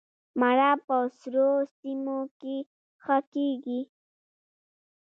مڼه په سړو سیمو کې ښه کیږي